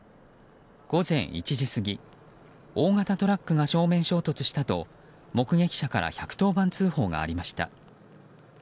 午前１時過ぎ大型トラックが正面衝突したと目撃者から１１０番通報がありました。